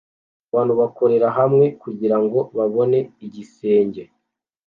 Abantu bakorera hamwe kugirango babone igisenge